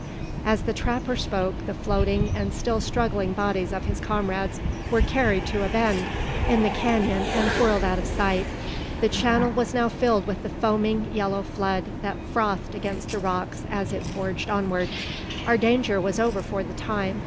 As the trapper spoke, the floating and still struggling bodies of his comrades were carried to a bend in the canon, and whirled out of sight. The channel was now filled with the foaming yellow flood that frothed against the rocks as it forged onward. Our danger was over for the time.